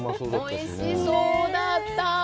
おいしそうだった。